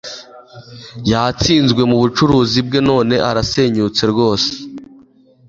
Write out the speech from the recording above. Yatsinzwe mubucuruzi bwe none arasenyutse rwose.